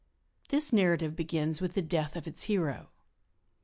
This narrative begins with the death of its hero.